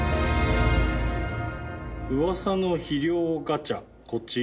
「噂の肥料ガチャこちら！！」